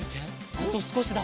あとすこしだ。